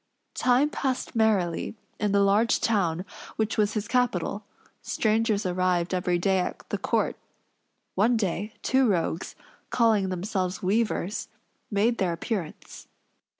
Time passed merrily in the large town which was his capital; strangers arrived every day at the court. One day, two rogues, calling themselves weavers, made their appearance.